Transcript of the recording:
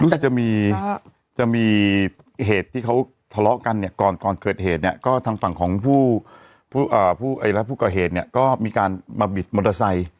จะมีจะมีเหตุที่เขาทะเลาะกันเนี่ยก่อนก่อนเกิดเหตุเนี่ยก็ทางฝั่งของผู้รับผู้ก่อเหตุเนี่ยก็มีการมาบิดมอเตอร์ไซค์